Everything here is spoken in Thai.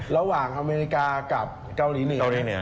ระหว่างอเมริกากับเกาหลีเหนือ